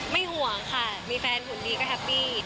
ห่วงค่ะมีแฟนหุ่นดีก็แฮปปี้